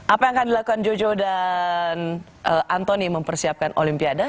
apa yang akan dilakukan jojo dan antoni mempersiapkan olimpiade